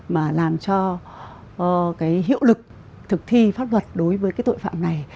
mà làm cho cái hiệu lực thực thi pháp luật đối với cái tội phạm này